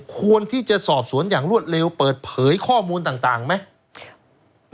ควรที่จะสอบสวนอย่างรวดเร็วเปิดเผยข้อมูลต่างไหม